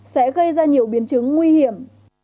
sẽ gây ra nhiều biến chứng nguy hiểm